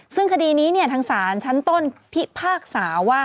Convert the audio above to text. ซึ่งคดีนี้ทางศาลชั้นต้นพิพากษาว่า